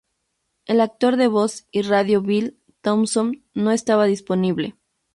El actor de voz y radio Bill Thompson, no estaba disponible.